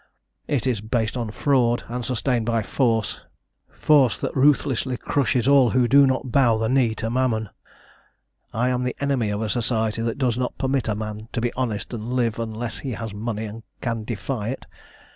It is based on fraud, and sustained by force force that ruthlessly crushes all who do not bow the knee to Mammon. I am the enemy of a society that does not permit a man to be honest and live, unless he has money and can defy it.